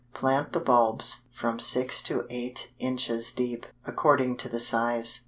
Plant the bulbs from six to eight inches deep, according to the size.